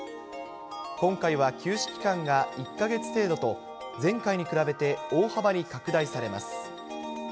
今回は休止期間が１か月程度と、前回に比べて大幅に拡大されます。